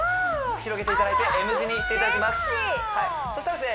広げていただいてＭ字にしていただきますそしたらですね